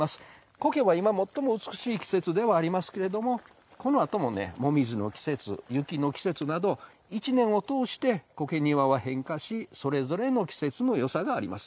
苔は、今、最も美しい季節ではありますけどもこのあとももみじの季節雪の季節など１年を通して苔庭は変化しそれぞれの季節のよさがあります。